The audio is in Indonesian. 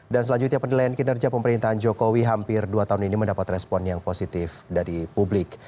dan selanjutnya penilaian kinerja pemerintahan jokowi hampir dua tahun ini mendapat respon yang positif dari publik